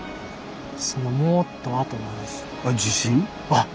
あっ。